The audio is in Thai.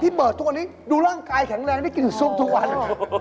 คริบเบิร์ดทุกวันนี้ดูร่างกายแข็งแรงไม่กินซุปทุกวันเหรอโอ้โห